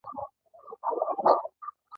عید په هند کې په شاندارۍ لمانځل کیږي.